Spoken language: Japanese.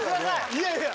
いやいや。